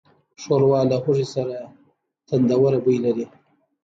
ښوروا له هوږې سره تندهوره بوی لري.